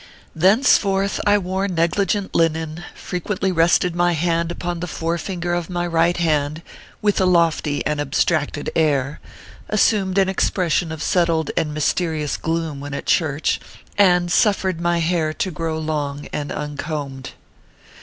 Thenceforth I wore negligent linen ; frequently rested my head upon the forefinger of my right hand, with a lofty and abstracted air ; assumed an expres sion of settled and mysterious gloom when at church, and suffered my hair to grow long and uncombed.